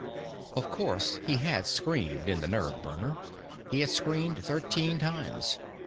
Of course, he had screamed in the nerve burner; he had screamed thirteen times.